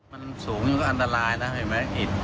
มันสูงนี่ก็อันตรายนะเห็นไหม